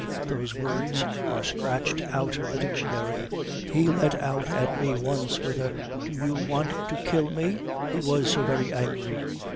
Those words are scratched out of the dictionary. He let out at me once with a 'Do you want to kill me?' he was so very angry."